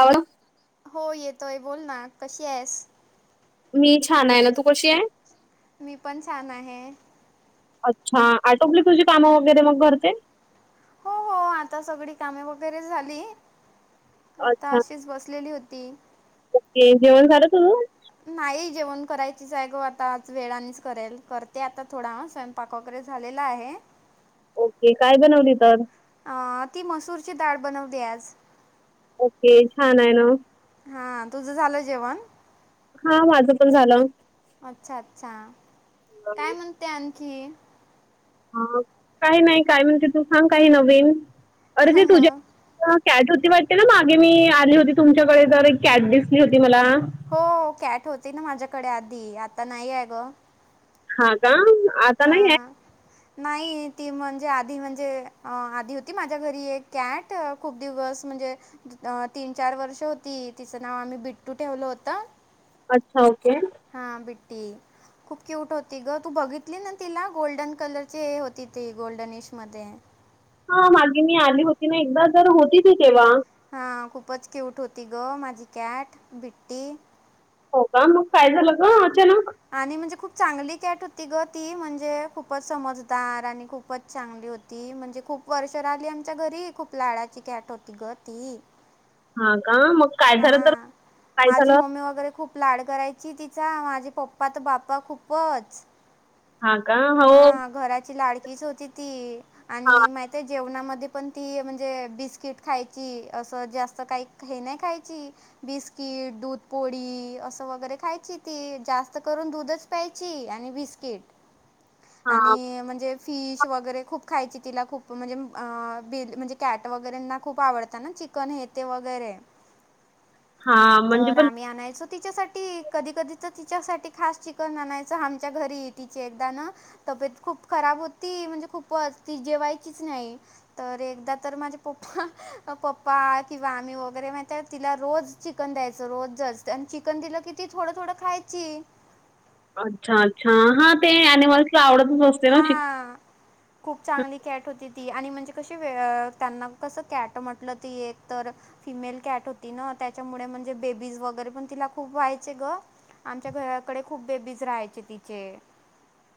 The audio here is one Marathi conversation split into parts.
आवड हो येतोय, बोल ना कशी आहेस? मी छान आहे ना, तू कशी आहे? मी पण छान आहे. अच्छा आटोपली तुझी कामं वगैरे मग घरचे? हो हो आता सगळी कामे वगैरे झाली आता अच्छा अशीच बसलेली होती. ओके जेवण झालं तुझं? नाही जेवण करायचीच आहे गं आता, आज वेळानेच करेल. करते आता थोडा स्व यंपाक वगैरे झालेला आहे. ओके काय बनवली तर? अं ती मसूरची डाळ बनवली आज. ओके छान आहे ना. हां तुझं झालं जेवण? हां माझं पण झालं. अच्छा अच्छा, काय म्हणते आणखी? ह काही नाही काय म्हणते तू सांग काही नवीन अरे ती तुझ्या. अं, कॅट होती वाटते ना मागे मी आली होती. तुमच्याकडे तर एक कॅट दिसली होती मला. हो कॅट होती ना माझ्याकडे आधी, आता नाही आहे गं. हां का आता नाही ये. हां. नाही ती म्हणजे आधी म्हणजे आधी होती. माझ्या घरी एक कॅट खूप दिवस म्हणजे. तीन चार वर्ष होती. तिचं नाव आम्ही बिट्टू ठेवलं होतं. अच्छा ओके. हा बिट्टी. खूप क्यूट होती गं. तू बघितली ना तिला गोल्डन कलरची हे होती ती गोल्डन येश मध्ये. हा मागे मी आली होती ना. एकदा जर होती ती तेव्हा. हा खूपच क्यूट होती गं माझी कॅट बिट्टी. हो का मग काय झालं गं अचानक. आणि म्हणजे खूप चांगली कॅट होती गं. ती म्हणजे खूपच समजदार आणि खूपच चांगली होती. ती म्हणजे खूप वर्ष राहिली. आमच्या घरी खूप लाडाची कॅट होती गं ती. हा का मग. काय झालं तर हा काय माझी झालं मम्मी वगैरे खूप. लाड करायची. तिचा माझे पप्पा तर बाप्पा खूपच. हां का? हो. हा घराची लाडकीच होती ती. हां, आणि माहितीये जेवणामध्ये पण ती म्हणजे बिस्किट खायची असं जास्त काही. हे नाही खायची. बिस्किट दूध पोळी असं वगैरे खायची ती जास्त करून दूधच. दूध प्यायची. आणि बिस्किट हां, आणि म्हणजे, फिश वगैरे खूप खायची. तिला खूप म्हणजे बिल म्हणजे कॅट वगैरेना खूप आवडत ना चिक चिकन हे ते वेगैरे. [inaudible] म्हणजे तर पण आम्ही आणायचो. तिच्यासाठी कधी कधी तर तिच्यासाठी खास चिकन आणायचं. आमच्या घरी तिचे एकदा ना. तब्येत खूप खराब होती. म्हणजे खूपच ती जेवायचीच नाही. तर एकदा तर माझे पप्पा पप्पा किंवा आम्ही वगैरे माहितीये तिला रोज. चिकन द्यायचं रोज जस्त आणि चिकन दिलं की ती थोडं थोडं खायची. अच्छा अच्छा हा ते एनिमल्स. ती आवडतं. हा. खूप चांगली कॅट होती ती. आणि म्हणजे कशी त्यांना कसं कॅट म्हटलं ती एक तर. फिमेल कॅट होती ना त्यांच्यामुळे, म्हणजे बेबीज वगैरे पण तिला खूप व्हायचे गं. आमच्या घराकडे खूप बेबीज राहायचे तिचे.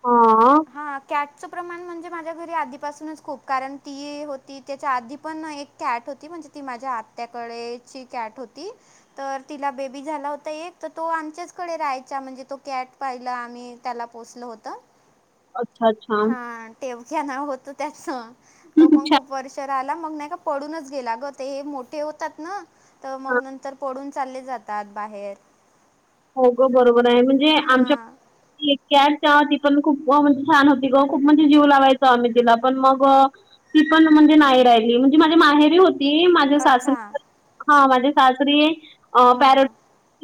हां. हा कॅट. कॅटच प्रमाण म्हणजे माझ्या घरी आधीपासूनच खूप. कारण ती होती त्याच्या आधी पण एक. कॅट होती. म्हणजे ती माझ्या आत्याकडेची कॅट होती. तर तिला बेबी झाला होता. एक तर तो आमच्याचकडे राहायचा म्हणजे तो कॅट. पहिलं आम्ही त्याला पोसलं होतं. [unintelligible] हा टेवक्या नाव होतं. त्याच तो पण छान. खूप. वर्ष राहिला मग नाही का पडूनच गेला गं ते मोठे होतात ना. तर हां. मग नंतर पडून चाले जातात बाहेर. हो गं बरोबर आहे म्हणजे आमच्या हां. ती कॅट [unintelligible] ती पण खूप म्हणजे छान होती गं खूप म्हणजे जीव लावयचो तिला पण मग ती पण म्हणजे नाही राहीली म्हणजे माझे माहेरी हो ती माझ्या सासरी अच्छा. [inaudible] हा माझे सासरी अ पॅरोट हां.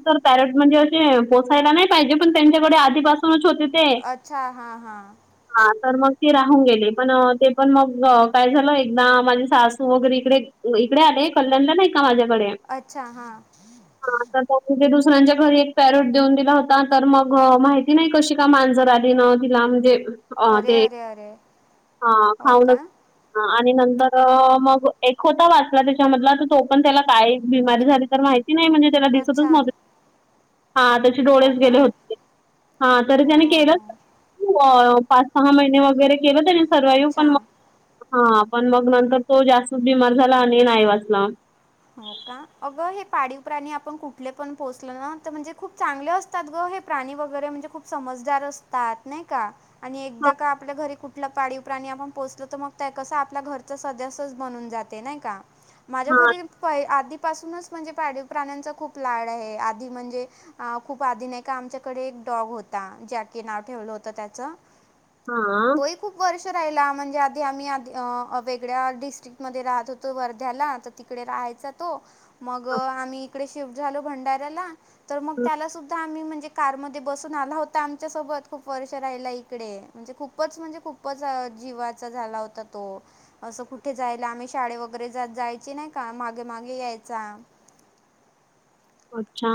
तर पॅरोट म्हणजे ते पोसायला नाही पाहिजे पण त्यांच्याकडे आधीपासूनच होते ते. अच्छा हा हा. हा तर मग ती राहून गेले पण ते पण मग काय झालं एकदा माझी सासू वगैरे इकडे इकडे आले कल्याणला नाही का माझ्याकडे अच्छा हां. हा तर [unintelligible] दुसऱ्यांच्या घरी एक पॅरूट देऊन दिला होता तर मग माहिती नाही कशी का मांजर आली ना तिला म्हणजे अ अरे, ते अरे, अरे! हा हो का? खाऊनच हा आणि नंतर मग एक होता वाचला त्याच्या मधला तर तो पण त्याला काय बिमारी झाली तर माहिती नाही म्हणजे त्याला दिसतच अच्छा. नव्हतं हा त्याचे हो डोळेच का? गेले होते हा तरी त्याने केलं. हं. [inaudible] हो पाच सहा महिने वगैरे केलं त्याने सर्वाइव्ह पण अच्छा. म हा पण मग नंतर तो जास्तच बिमार झाला आणि नाही वाचला. हो का अगं हे पाळीव प्राणी आपण कुठले पण पोसलं ना तर म्हणजे खूप चांगले अस तात गं हे प्राणी वगैरे म्हणजे खूप समजदार असतात नाही का आणि हा एकदा का आपल्या घरी कु ठला आपलं पाळीव प्राणी आपण पोसलं तर मग त्या कसं आपल्या घरचा सदस्यच बनून जाते नाही का. माझ्या हा घरी पाय आधीपासूनच म्हणजे पाळीव प्राण्यांचा खूप लाड आहे आधी म्हणजे अ खूप आधी नाही आहे का आमच्याकडे एक डॉग होता जॅकी नाव ठेवलं होतं त्याचं हां. तोही खूप वर्ष राहिला म्हणजे आधी आम्ही आधी अ वेगळ्या डिस्ट्रिकमध्ये राहत होतो वर्ध्याला तर तिकडे राहायचा तो मग अच्छा. आम्ही इकडे शिफ्ट झालो भंडाऱ्याला तर मग त्याला सुद्धा आम्ही म्हणजे कारमध्ये बसून आला होता आमच्या सोबत खूप वर्ष राहिला इकडे म्हणजे खूपच म्हणजे खूपच जीवाचा झाला हो ता असं कुठे जायला आम्ही शाळे वगैरे जायची नाही का मागे मागे यायचा. अच छा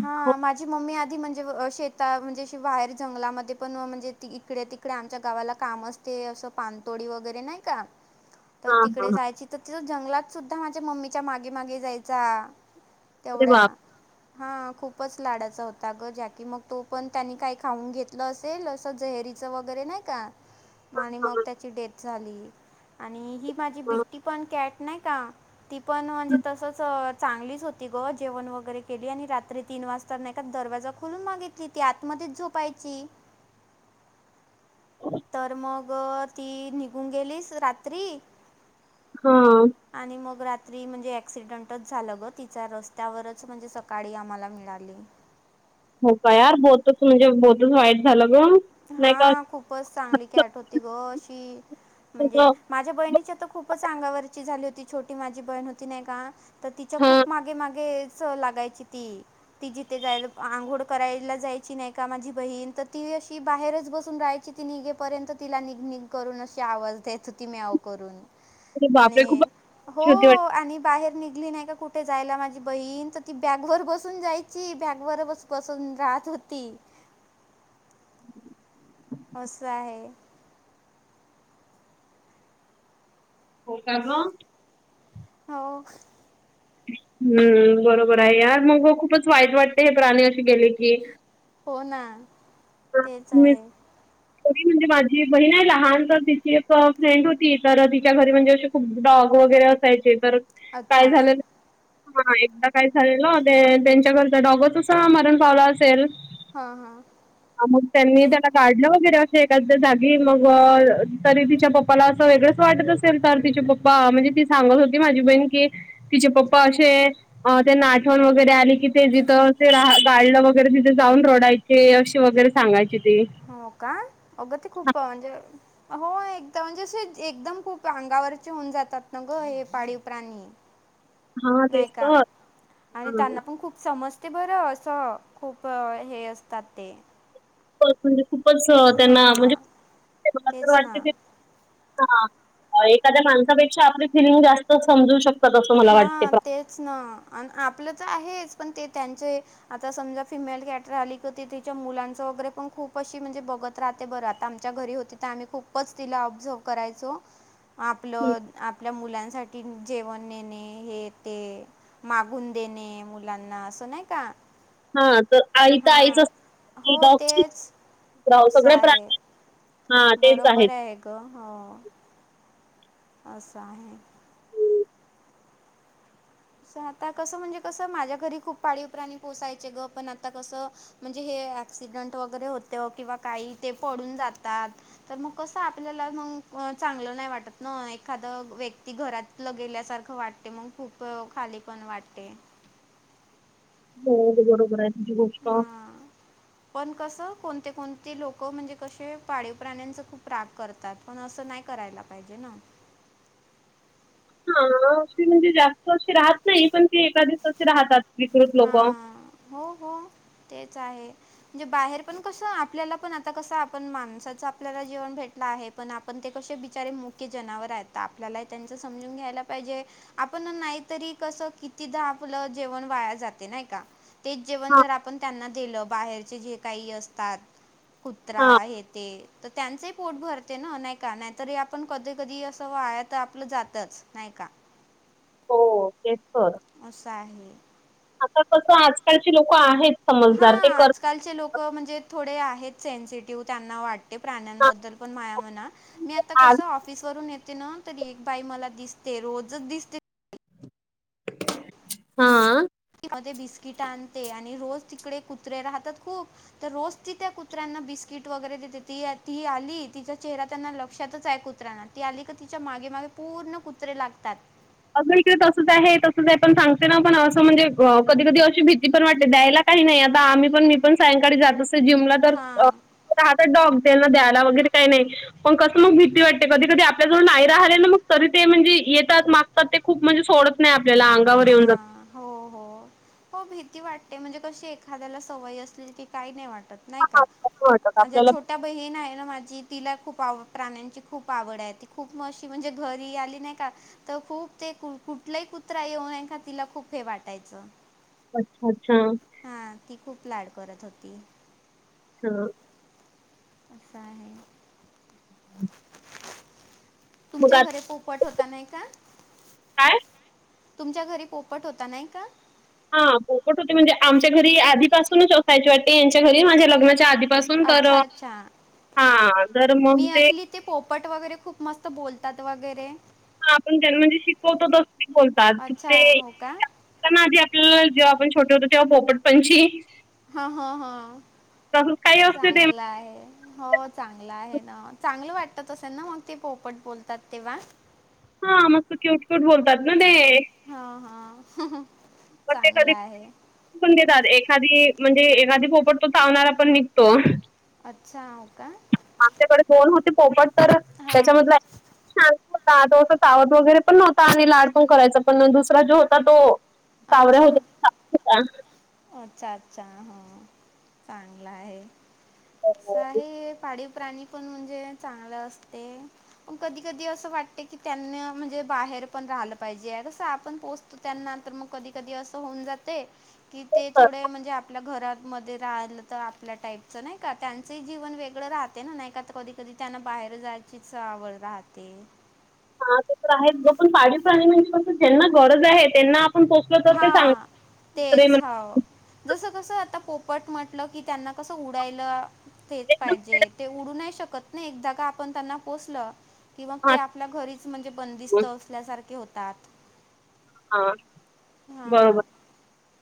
हा माझी मम्मी आधी म्हणजे व अ शेतात म्हणजे अशी बाहेर जंगलामध्ये पण म्हणजे ती इकडे तिक कडे आमच्या गावाला काम असते असं पानतोडी वगैरे नाही का तर हा हा तिकडे जायची तिथं जंगलात सुद्धा माझ्या मम्मीच्या मागे मागे जायचा. अरे तेवढ्या बाप हा खूपच लाडाचा होता अगं जॅकी मग तो पण त्यांनी काही खाऊन घेतला असेल असं जहरी चा वगैरे नाही का आणि मग त्याची डेथ झाली. आणि माझी बिट्टी पण कॅट नाही का ती पण म्हणजे तसच चांगलीच होती गं जेवण वगैरे केली आणि रात्री तीन वाजता नाय का दरवाजा खोलून मागित ती आतमध्येच झोपायची तर मग ती निघून गेलीस रात्री हा आणि मग रात्री म्हणजे ऍक्सिडंटच झालं गं तिचा रस्त्यावरच म्हणजे स काळी आम्हाला मिळाली. हो का यार बहुतच म्हणजे बहुतच वाईट झालं गं. हा खूपच चांगली कॅट होती गं अशी म्हणजे. माझ्या बहिणीच्या तर खूपच अंगावरची झाली होती. छोटी माझी बहीण होती नाही का. तर तिच्या हा खूप मागे मागेच लागायची ती. ती जिथे जायला आंघोळ जायची नाही का माझी बहीण ती. ती बाहेरच बसून राहायची. ती निघेपर्यंत तिला निघ निघ करून अशी आवाज द्यायच ती म्याव करून. अरे बापरे आणि खूपच हो होती वाट आणि बाहेर निघली नाही का. कुठे जायला माझी बहीण तर ती बॅगवर बसून जायची. बॅगवर बस बसून राहत होती. असं आहे. हो काय मग. हो. हम्म बरोबर आहे. यार मग खूपच वाईट वाटते हे प्राणी अशी गेले की. होना हां, तेच मी आहे. म्हणजे माझी बहीण आहे लहान. तर तिची एक फ्रेंड होती तर तिच्या घरी म्हणजे असं. डॉग वगैरे असायचे तर काय अच्छा झालं. हा एकदा काय झालेलं ते, तेच्या घरचा डॉगच असा मरण पावला असेल. हा हा. मग त्यांनी त्याला काढलं वगैरे असे. एखाद्या जागी मग तरी तिच्या पप्पाला असं वेगळच वाटतं असं. स तिचे पप्पा म्हणजे ती सांगत होती. माझी बहीण की तिचे पप्पा असे. अ ते आठवण वगैरे आली कि ते जिथं रा गाळलं वगैरे तिथे जाऊन रोडायचे अशी वगैरे. सांगायची ती. हो का अगं ते खूप म्हणजे, हो एकदा म्हणजे अस एकदम खूप अंगावरचे होऊन जातात न गं हे पाळीव प्राणी. [inaudible] नाही तेच का तर आणि हां त्यांना पण खूप समज ते बरं असं खूप हे असतात ते. म्हणजे खूपच त्यांना म्हणजे हां मला तर तेच वाटते ना ते. हा एखाद्या माणसापेक्षा आपली फिलिंग जास्त समजू शक हा तेच ना आपलं तर आहेच ते त्यांचे. आता समजा फिमेल कॅट राहिला. तर तिच्या मुलांच वगैरे पण खूप अशी म्हणजे बघत राहते बरं आता. च्या घरी होती. तर आम्ही खूपच तिला ऑब्झर्व करायचो. [inaudible] मग आपलं आपल्या मुलांसाठी जेवण. नेणे हे ते मागून देणे मुलांना असं नाही का. हा तर आई तर आईच हां. हो, असते. तेच. असं [unintelligible] आहे. हा तेच बरोबर आहेत. आहे गं हं. असं आहे. स आता कसं म्हणजे, कसं माझ्या घरी खूप पाळी प्राणी पोचायचे गं पण आता कसं. म्हणजे हे ऍक्सिडेंट वगैरे होत किंवा काही ते पडून जातात. तर मग कसं आपल्याला मग चांगलं नाही‌ वाटत. ना एखाद व्यक्ती घरात. गेल्यासारखं वाटते मग खूप खाली पण वाटते. हो बरोबर आहे तुझी गोष्ट. हां पण कसं कोणते कोणते लोकं म्हणजे, कसे पाळीव प्राण्यांचा खूप राग करतात. त्यात पण असं नाही करायला पाहिजे ना. हा अशी म्हणजे जास्त अशी राहत नाही. पण ते एका दिवस असे राहतात. विकृत हा लोक. हो हो तेच आहे. म्हणजे बाहेर पण कसं आपल्याला पण आता कसं आपण माणसाचा आपल्याला जीवन भेटला आहे पण आपण ते कशे बिचारे मुक्य जनावर आहेत तर आपल्याला त्यांच समजून घ्यायला पाहिजे आपण नाहीतरी कसं कितीदा आपलं जेवण वाया जाते का तेच जेवण हा जर आपण त्यांना दिलं बाहेरचे जे काही असतात कुत्रा हा हे ते तर त्यांचही पोट भरते ना नाही का नाहीतरी आपण कधी कधी असं वाया तर आपलं जातच नाय का. हो तेच तर. असं आहे. आता कसं आजकालची लोकं आहेत. हा समजदार ते करत आजकालचे लोकं म्हणजे थोडे आहेत सेन्सिटिव्ह त्यांना वाट ते प्राण्यांबद्दल पण माया म्हणा मी आता कसं ऑफिस वरून येते ना तरी एक बाई मला दिसते रोजच दिसते हां. म बिस्किट आणते आणि रोज तिकडे कुत्रे राहतात खूप तर रोज ती त्या कुत्र्यांना बिस्किट वगैरे देते ती ती आली तिचा चेहरा त्यांना लक्षातच आहे कुत त्राना ती आली क तिच्या मागे मागे पूर्ण कुत्रे लागतात. अगं इकडे तसंच आहे तसंच आहे पण सांगते ना पण असं म्हणजे अ कधी कधी अशी भीती पण वाटते द्यायला काही नाही आता आम्ही पण मी पण सायंकाळी जात असते जिमला तर अ हां राहतात डॉग त्यांना द्यायला वगैरे काही नाही पण कसं मग भीती वाटते कधी-कधी आपल्या जवळ नाही राहिले ना मग तरी ते म्हणजे येतात मा तर ते खूप म्हणजे सोडत नाही आपल्याला अंगावर येऊन जात. हां हो हो हो भीती वाटते म्हणजे कशी एखाद्याला सवय असली ती काही नाही वाटत. नाही हां, का असं वाटत ज्या आपल्याला छोट्या बहीण आहे ना माझी तिला खूप आव प्राण्यांची खूप आवड आहे ती खूप मशी म्हणजे घरी आली नाही का तर खूप ते कु कुठलाही कुत्रा येऊ नाही का तिला खूप हे वाटायचं. अच्छा अच्छा. हा ती खूप लाड करत होती. हां. असा आहे. मग तुमच्या आता घरे पोपट होता नाही का? काय तुमच्या घरी पोपट होता नाही का? हा पोपट होते म्हणजे आमच्या घरी आधीपासूनच असायची वाटते यांच्या घरी माझ्या लग्नाच्या आधी पासून तर अच्छा अच्छा हा तर मंग मी ते ऐकली ते पोपट वगैरे खूप मस्त बोलतात वगैरे. हा आपण त्यांन म्हणजे शिकवतो तसं ही बोलतात अच्छा ते. हो का [inaudible] ताना आदी आपल्याला जेव्हा आपण होतो पोपट पंछी. हा हा हा काही असते ते चांगला आहे. हो चांगला आहे ना चांगलं वाटतं असेल ना मग ते पोपट बोलतात तेव्हा. हा मस्त क्यूट क्यूट बोलतात ना ते. हा हा पण ते चांगलं कधी आहे. पण देतात एखादी म्हणजे एखादी पोपट तो चावणारा पण निघतो. अच्छा हाव का. आमच्याकडे दोन होते पोपट तर त्याच्या हां. मधला शांत होता तो असं चावत वगैरे पण नव्हता आणि लाड पण करायचा पण दुसरा जो होता तो चावरे अच्छा. हेले साथ होता अच्छा अच्छा हो, चांगला आहे. [inaudible] साही हे पाडीव प्राणी पण म्हणजे चांगलं असते. पण कधी कधी असं वाटते की त्यांनी म्हणजे बाहेर पण राहिलं पाहिजे कसं आपण पोस्ट त त्यांना तर मग कधी कधी असं होऊन जाते. कि ते थोडे म्हणजे आपल्या घरामध्ये राहिलं तर आपल्या टाईपच नाही का त्यांचंही जीवन वेगळं राहते ना नाही, का ता कधी कधी त्यांना बाहेर जायचीच आवड राहते. हा ते तर आहेच ग पाळीव प्राणी ज्यांना गरज आहे त्यांना आपण पोसत हा तेच होव जसं कसं आता पोपट म्हटलं की, त्यांना कसं उडायला तेच एकदम पाहिजेत. फ्रीडम ते उडू नाही शकत नाही, एक जागा आपण त्यांना पोसलं. कि मग ते आपल्या घरीच म्हणजे राहतो. बंदिस्त असल्यासारखे होतात. हा हां. बरोबर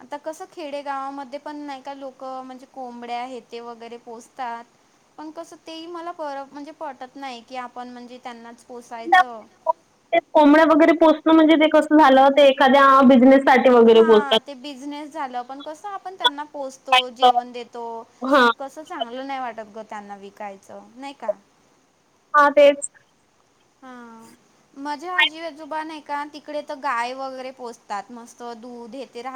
आता कसं खेडे गावामध्ये पण नाही का लोक, म्हणजे कोंबड्या हे ते वगैरे पोसतात. पण कसं तेही मला पर म्हणजे पटत नाही की आपण म्हणजे त्यांनाच त्या पोसायचं. ते कोंबड्या वगैरे पोसण म्हणजे ते कसं झालं ते एखाद्या बिझनेस हा ते बिझनेस झालं, पण कसं आपण त्यांना. काय पोचतो तर जेवण देतो, मग हां. कसं चांगलं नाही वाटत ग, त्यांना विकायचं नाही का. हा तेच. हा [inaudible] माझ्या आजी आजोबा नाही का तिकडे तर गाय वगैरे पोसतात, मस्त दूध येते राहत